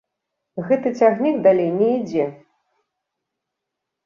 Гэты цягнік далей не ідзе.